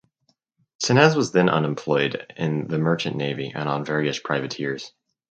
Senez was then employed in the merchant navy and on various privateers.